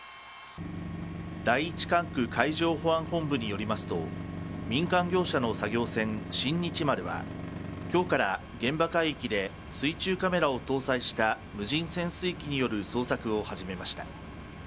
第一管区海上保安本部によりますと民間業者の作業船新日丸は今日から現場海域で水中カメラを搭載した無人潜水機による捜索を始めました。